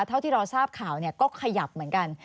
เท่าที่เราทราบข่าวก็ขยับเหมือนกัน